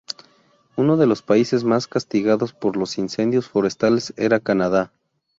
Uno de los países más castigados por los incendios forestales era Canadá.